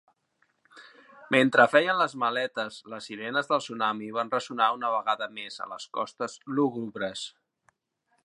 Mentre feien les maletes, les sirenes del tsunami van ressonar una vegada més a les costes lúgubres.